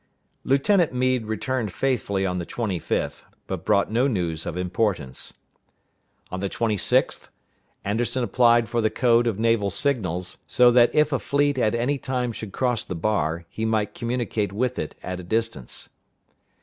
Lieutenant Meade returned faithfully on the 25th, but brought no news of importance. On the 26th, Anderson applied for the code of naval signals, so that if a fleet at any time should cross the bar, he might communicate with it at a distance.